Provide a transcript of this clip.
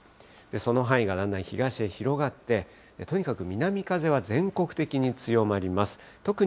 その範囲がだんだん東へ広がって、とにかく南風は全国的に強まります。